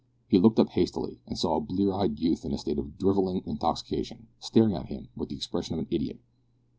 He looked up hastily, and saw a blear eyed youth in a state of drivelling intoxication, staring at him with the expression of an idiot.